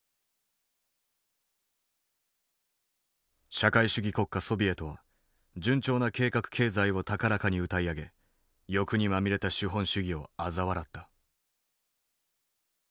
社会主義国家ソビエトは順調な計画経済を高らかにうたい上げ欲にまみれた資本主義をあざ笑った。